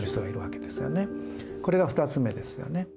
これが２つ目ですよね。